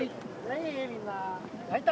みんな。